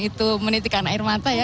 itu menitikan air mata ya